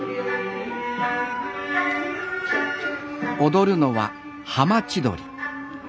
踊るのは「浜千鳥」。